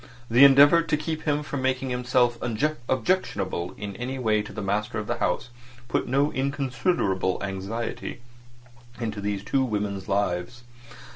The endeavour to keep him from making himself objectionable in any way to the master of the house put no inconsiderable anxiety into these two women's lives.